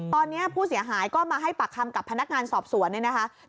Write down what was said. ตอนนี้ผู้เสียหายก็มาให้ปากคำกับพนักงานสอบสวนเนี่ยนะคะ